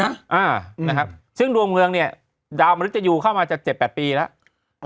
อ่านะครับซึ่งดวงเมืองเนี่ยดาวมนุษยูเข้ามาจะเจ็ดแปดปีแล้ว